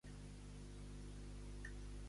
Tenancingo és un país a l'estat de Tlaxcala.